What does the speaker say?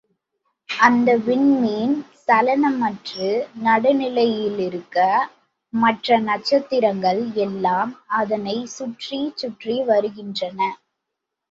அந்த விண்மீன் சலனமற்று, நடுநிலையிலிருக்க, மற்ற நட்சத்திரங்கள் எல்லாம் அதனைச் சுற்றிச் சுற்றி வருகின்றன.